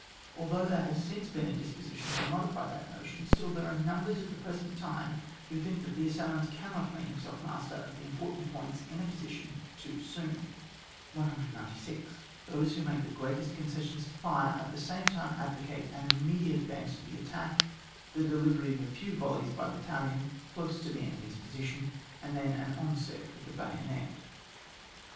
Although there has since been a disposition to modify that notion, still there are numbers at the present time who think that the assailant cannot make himself master of the important points in a position too soon, 196. Those who make the greatest concessions to fire, at the same time advo cate an immediate advance to the attack, the delivery of a few volleys by battalion close to the enemy's position, and then an onset with the bayonet 197.